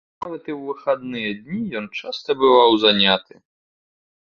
Нават і ў выхадныя дні ён часта бываў заняты.